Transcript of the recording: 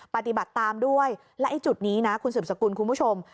ปฏิบัติตามด้วยและไอ้จุดนี้นะคุณสืบสกุลคุณผู้ชม